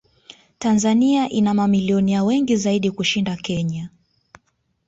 Tanzania ina mamilionea wengi zaidi kuishinda Kenya